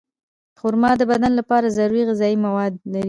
خرما د بدن لپاره ضروري غذایي مواد لري.